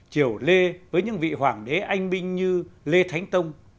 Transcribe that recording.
triều lê với những vị hoàng đế anh binh như lê thánh tông